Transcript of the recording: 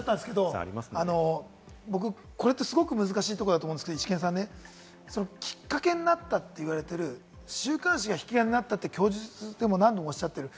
僕、これってすごく難しいとこだと思うんですけれどもイシケンさん、きっかけになったって言われている週刊誌が引き金になったって供述で何度もおっしゃってる。